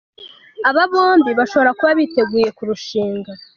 Aba bombi bashobora kuba biteguye kurushinga.